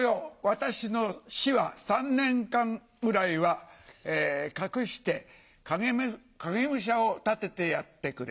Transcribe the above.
私の死は３年間ぐらいは隠して影武者を立ててやってくれ。